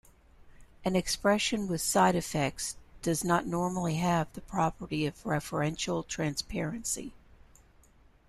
An expression with side effects does not normally have the property of referential transparency.